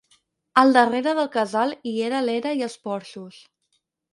Al darrere del casal hi ha l'era i els porxos.